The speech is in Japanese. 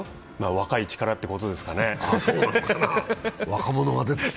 若い力ということですかね。